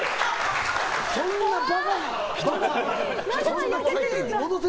そんなバカな！